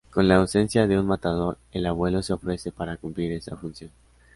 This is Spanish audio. Con la ausencia de un matador, el abuelo se ofrece para cumplir esa función.